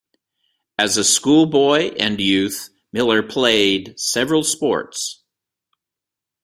As a schoolboy and youth, Miller played several sports.